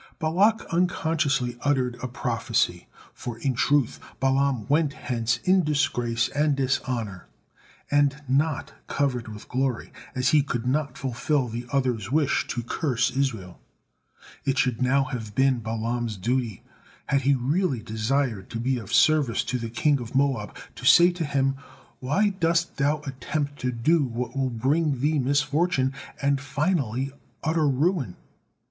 Balak unconsciously uttered a prophecy, for in truth Balaam went hence in disgrace and dishonor, and not covered with glory, as he could not fulfil the other's wish to curse Israel. It should now have been Balaam's duty, had he really desired to be of service to the king of Moab, to say to him, "Why dost thou attempt to do what will bring thee misfortune, and finally utter ruin?"